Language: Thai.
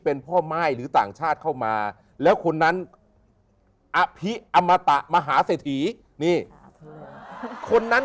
เป็นพ่อม่ายหรือต่างชาติเข้ามาแล้วคนนั้นอภิอมตะมหาเศรษฐีนี่คนนั้น